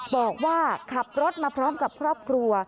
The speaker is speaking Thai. บอกว่าขับรถมาพร้อมกับครอบครัว